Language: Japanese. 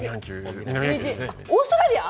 あっオーストラリア！？